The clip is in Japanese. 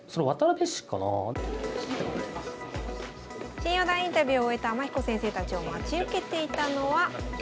新四段インタビューを終えた天彦先生たちを待ち受けていたのは。